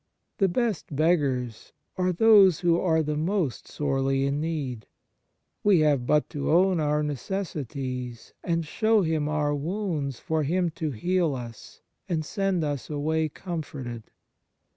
The best beggars are those who are most sorely in need; we have but to own our necessities and show Him our wounds for Him to heal us and send us away comforted.